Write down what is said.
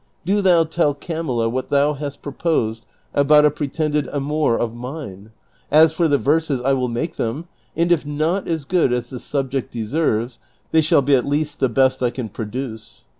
Do thou tell Camilla what thou hast proposed about a pretendetl amour of mine; as for the verses I will make them, and if not as good as the subject deserves, they shall be at least the l)est T can produce."